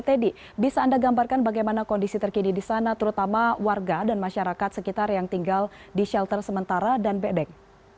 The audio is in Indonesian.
teddy bisa anda gambarkan bagaimana kondisi terkini di sana terutama warga dan masyarakat sekitar yang tinggal di shelter sementara dan bek deng